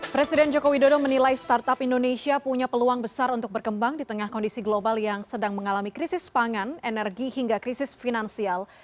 presiden jokowi dodo menilai startup indonesia punya peluang besar untuk berkembang di tengah kondisi global yang sedang mengalami krisis pangan energi hingga krisis finansial